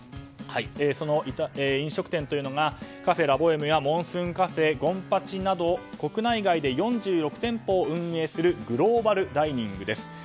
その飲食店というのがカフェラ・ボエムやモンスーンカフェ、権八など国内外で４６店舗を運営するグローバルダイニングです。